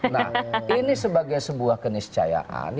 nah ini sebagai sebuah keniscayaan